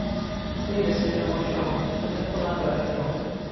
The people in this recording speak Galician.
Mire, señor Moxón, isto merece unha aclaración.